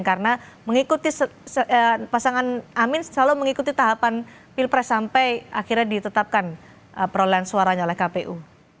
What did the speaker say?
karena mengikuti pasangan amin selalu mengikuti tahapan pilpres sampai akhirnya ditetapkan perolehan suaranya oleh kpu